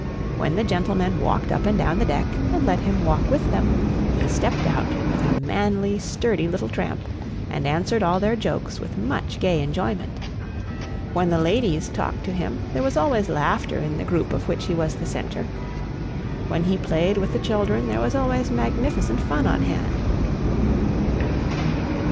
When the gentlemen walked up and down the deck, and let him walk with them, he stepped out with a manly, sturdy little tramp, and answered all their jokes with much gay enjoyment; when the ladies talked to him, there was always laughter in the group of which he was the center; when he played with the children, there was always magnificent fun on hand.